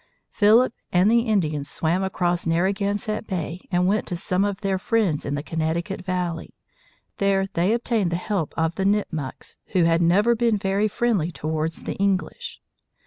Philip and the Indians swam across Narragansett Bay and went to some of their friends in the Connecticut Valley. There they obtained the help of the Nipmucks, who had never been very friendly towards the English.